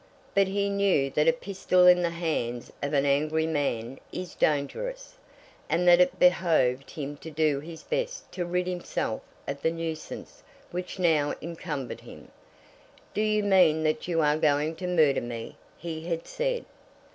But he knew that a pistol in the hands of an angry man is dangerous, and that it behoved him to do his best to rid himself of the nuisance which now encumbered him. "Do you mean that you are going to murder me?" he had said.